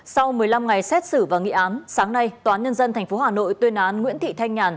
sau một mươi năm ngày xét xử và nghị án sáng nay tòa án nhân dân tp hà nội tuyên án nguyễn thị thanh nhàn